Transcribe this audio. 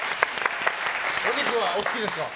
お肉はお好きですか？